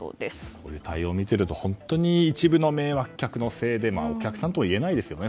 こういう対応を見てると一部の迷惑なお客さんによってお客さんとは言えないですよね。